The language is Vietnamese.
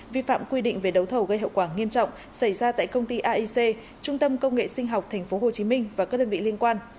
vi phạm quy định về đấu thầu gây hậu quả nghiêm trọng xảy ra tại công ty aic trung tâm công nghệ sinh học tp hcm và các đơn vị liên quan